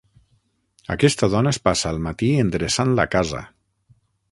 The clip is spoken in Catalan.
Aquesta dona es passa el matí endreçant la casa!